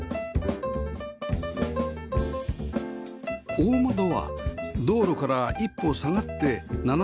大窓は道路から一歩下がって斜めに配置